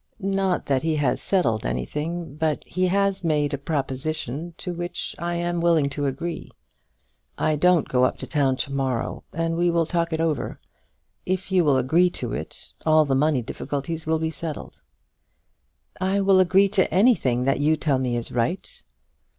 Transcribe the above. Not that he has settled anything, but he has made a proposition to which I am willing to agree. I don't go up to town to morrow, and we will talk it over. If you will agree to it, all the money difficulties will be settled." "I will agree to anything that you tell me is right."